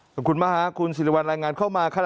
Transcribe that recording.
ขอบคุณมากฮะคุณสิริวัลรายงานเข้ามาค่ะ